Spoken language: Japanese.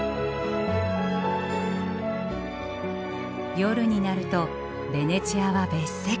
夜になるとベネチアは別世界。